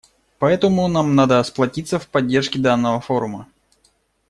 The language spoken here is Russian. Поэтому нам надо сплотиться в поддержке данного форума.